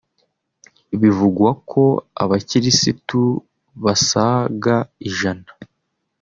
Bivugwa ko abakirisitu basaga ijana